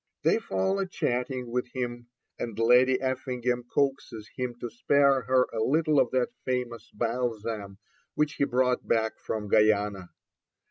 They fall a chatting with him, and Lady Effingham coaxes him to spare her a little of that famous balsam which he brought back from Guiana.